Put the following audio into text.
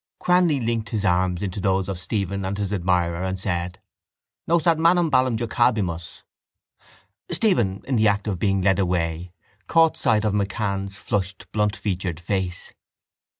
Cranly linked his arms into those of Stephen and his admirer and said: —Nos ad manum ballum jocabimus. Stephen, in the act of being led away, caught sight of MacCann's flushed bluntfeatured face.